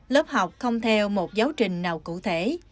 lớp học không theo một giáo trình nào cụ thể